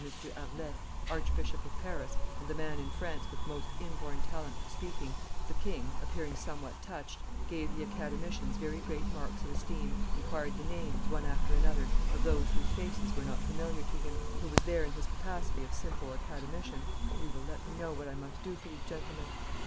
Harlay, Archbishop of Paris, and the man in France with most inborn talent for speaking, the king, appearing somewhat touched, gave the Academicians very great marks of esteem, inquired the names, one after another, of those whose faces were not familiar to him, and said aside to M. Colbert, who was there in his capacity of simple Academician, 'You will let me know what I must do for these gentlemen.